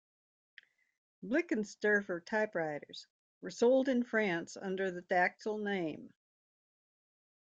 Blickensderfer typewriters were sold in France under the Dactyle name.